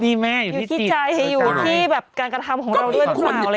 อยู่ที่ใจอยู่ที่การกระทำของเราด้วยซะ